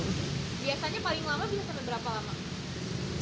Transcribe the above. biasanya paling lama bisa sampai berapa lama